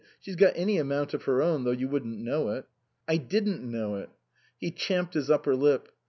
She's got any amount of her own, though you wouldn't know it." " I didn't know it." He champed his upper lip.